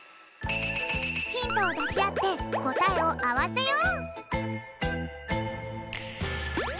ヒントをだしあってこたえをあわせよう！